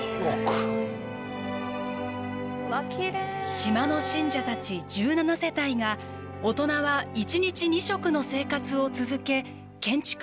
島の信者たち１７世帯が大人は１日２食の生活を続け建築費を捻出しました。